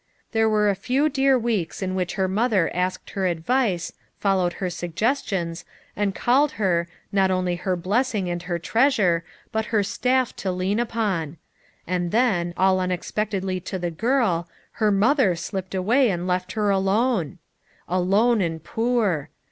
There were a few dear weeks in which her mother asked her advice, followed her suggestions, and called her, not only her blessing and her treasure, but her staff to lean upon; and then, all unexpectedly to the girl, her mother slipped away and left her alone! Alone and poor.